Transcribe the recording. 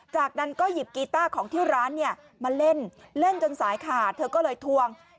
จากนั้นก็หยิบกีต้าของที่ร้านเนี่ยมาเล่นเล่นจนสายขาดเธอก็เลยทวง